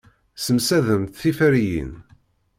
Ssemsadent tiferyin.